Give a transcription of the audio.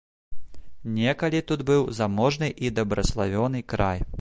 Некалі тут быў заможны й дабраславёны край.